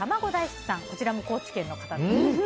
こちらも高知県の方です。